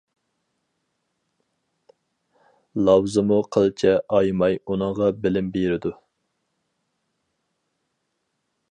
لاۋزىمۇ قىلچە ئايىماي ئۇنىڭغا بىلىم بېرىدۇ.